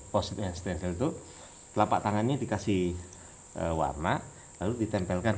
positive and stensial itu telapak tangannya dikasih warna lalu ditempelkan